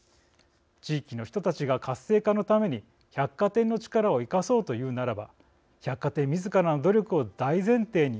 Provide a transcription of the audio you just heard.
地域の人たちが活性化のために百貨店の力を生かそうというならば百貨店みずからの努力を大前提に